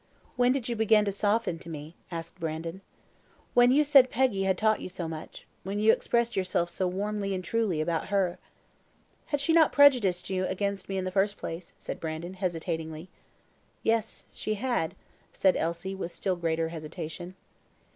"When did you begin to soften to me?" asked Brandon. "When you said Peggy had taught you so much when you expressed yourself so warmly and so truly about her." "Had she not prejudiced you against me in the first place?" said Brandon, hesitatingly. "Yes, she had," said Elsie, with still greater hesitation.